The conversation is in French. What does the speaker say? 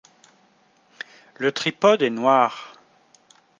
Le tripode est noir.